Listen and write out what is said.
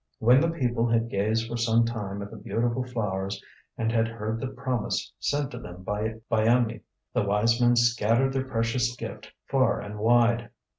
When the people had gazed for some time at the beautiful flowers and had heard the promise sent to them by Byamee, the wise men scattered their precious gift far and wide.